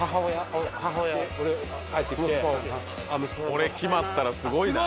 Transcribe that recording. これ決まったらすごいな。